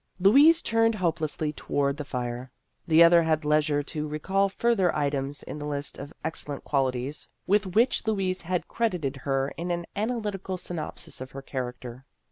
Louise turned hopelessly toward the fire ; the other had leisure to recall further items in the list of excellent qualities with 238 Vassar Studies which Louise had credited her in an ana lytical synopsis of her character.